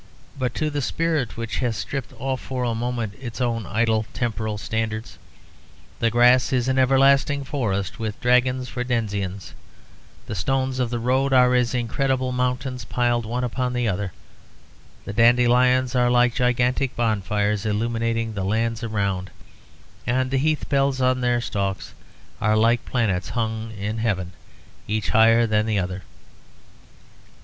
But to the spirit which has stripped off for a moment its own idle temporal standards the grass is an everlasting forest, with dragons for denizens; the stones of the road are as incredible mountains piled one upon the other; the dandelions are like gigantic bonfires illuminating the lands around; and the heath bells on their stalks are like planets hung in heaven each higher than the other.